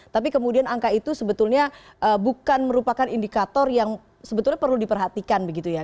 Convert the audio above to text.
tapi kemudian angka itu sebetulnya bukan merupakan indikator yang sebetulnya perlu diperhatikan begitu ya